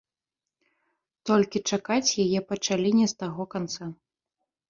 Толькі чакаць яе пачалі не з таго канца.